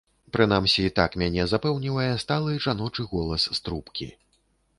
Прынамсі, так мяне запэўнівае сталы жаночы голас з трубкі.